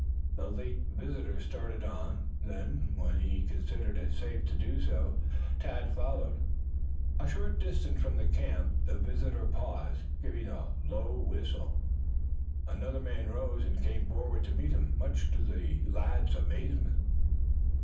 The late visitor started on; then, when he considered it safe to do so, Tad followed. A short distance from the camp the visitor paused, giving a low whistle. Another man rose and came forward to meet him, much to the lad's amazement.